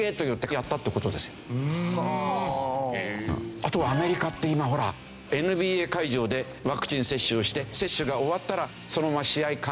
あとはアメリカって今ほらＮＢＡ会場でワクチン接種をして接種が終わったらそのまま試合観戦をするとか。